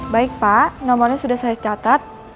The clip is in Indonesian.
baik pak nomornya sudah saya catat